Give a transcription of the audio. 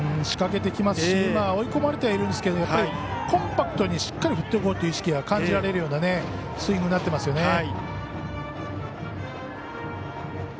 仕掛けてきますし今、追い込まれてはいますけどコンパクトにしっかり振っていこうという意識が感じられるようなスイングになってますよね。